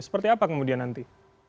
seperti apa kemudian nanti